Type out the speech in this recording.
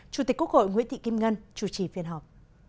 chủ tịch quốc hội nguyễn thị kim ngân chủ trì phiên họp